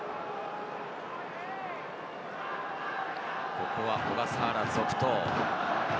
ここは小笠原続投。